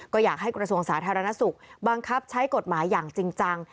ก็อยากให้กระทรวงสาธารณสุขบังคับใช้กฎหมายอย่างจริงจัง